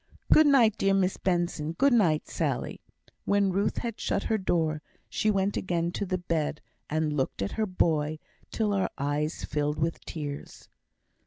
"Good night, dear Miss Benson. Good night, Sally." When Ruth had shut her door, she went again to the bed, and looked at her boy till her eyes filled with tears.